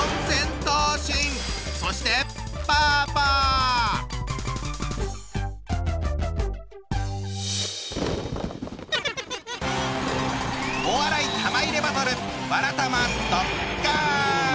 そしてお笑い玉入れバトル